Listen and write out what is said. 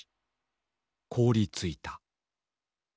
凍りついた。